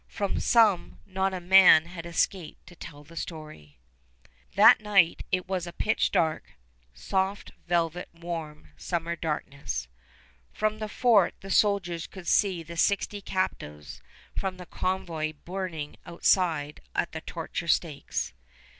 From some not a man had escaped to tell the story. That night it was pitch dark, soft, velvet, warm summer darkness. From the fort the soldiers could see the sixty captives from the convoy burning outside at the torture stakes.